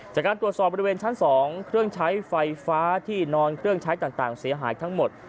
จากการตรวจสอบบริเวณชั้น๒เครื่องใช้ไฟฟ้าที่นอนเครื่องใช้ต่างเสียหายทั้งหมด